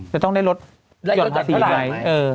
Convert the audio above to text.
จะต้องได้ลดจวดภาษีด้วย